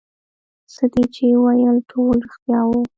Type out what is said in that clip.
څه دې چې وويل ټول رښتيا وو.